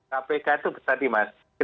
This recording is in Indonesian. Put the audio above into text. kpk itu bisa dimasuki